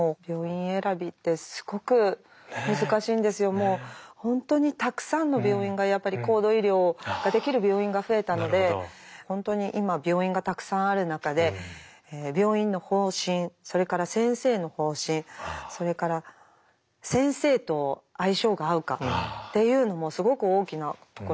もう本当にたくさんの病院がやっぱり高度医療ができる病院が増えたので本当に今病院がたくさんある中で病院の方針それから先生の方針それから先生と相性が合うかっていうのもすごく大きなところだと思うんですね。